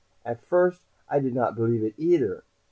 At first, I did not believe it either.